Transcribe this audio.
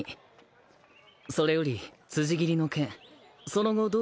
それより辻斬りの件その後どうでござる？